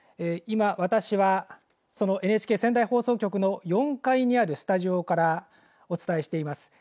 今、私はそのＮＨＫ仙台放送局の４階にあるスタジオからお伝えしています。